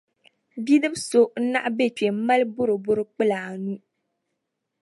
Bidib’ bil’ so n-naɣ’ be kpe m-mali bɔrobɔro kpila anu.